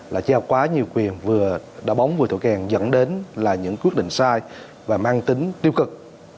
là trao quá nhiều quyền vừa đá bóng vừa thổi còi dẫn đến là những quyết định sai và mang tính tiêu cực